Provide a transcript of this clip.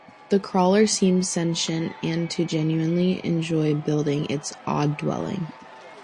The crawler seems sentient and to genuinely enjoy building its odd dwelling.